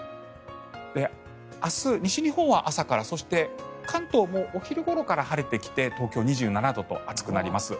明日、西日本は朝からそして関東もお昼ごろから晴れてきて東京は２７度と暑くなります。